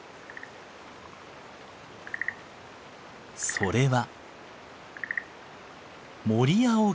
それは。